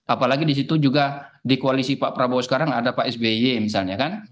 apalagi di situ juga di koalisi pak prabowo sekarang ada pak sby misalnya kan